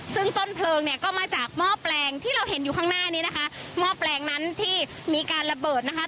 ซึ่งต้นเพลิงเนี่ยก็มาจากหม้อแปลงที่เราเห็นอยู่ข้างหน้านี้นะคะหม้อแปลงนั้นที่มีการระเบิดนะคะ